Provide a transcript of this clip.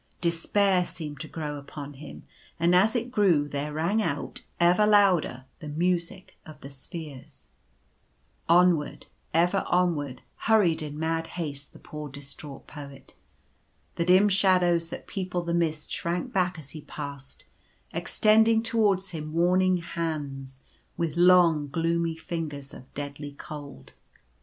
Despair seemed to grow upon him ; and as it grew there rang out, ever louder, the Music of the Spheres. Onward, ever onward, hurried in mad haste the poor distraught Poet. The dim shadows that peopled the mist shrank back as he passed, extending towards him warning hands with long gloomy fingers of deadly cold.